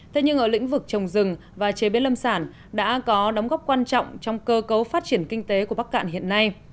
thế nhưng ở lĩnh vực trồng rừng và chế biến lâm sản đã có đóng góp quan trọng trong cơ cấu phát triển kinh tế của bắc cạn hiện nay